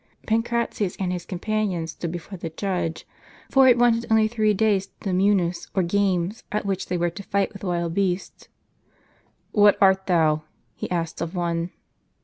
Pancratius and his companion stood before the judge ; for it wanted only three days to the miinus, or games, at which they were to " fight with wild beasts." " What art thou ?" he asked of one.